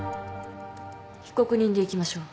被告人でいきましょう。